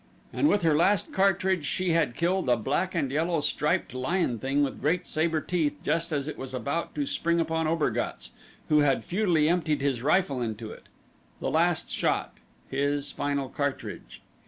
And with her last cartridge she had killed a black and yellow striped lion thing with great saber teeth just as it was about to spring upon Obergatz who had futilely emptied his rifle into it the last shot his final cartridge.